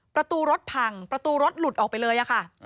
ประตูรถพังประตูรถหลุดออกไปเลยค่ะ